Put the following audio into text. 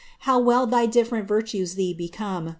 How well thy different yirtues thee become.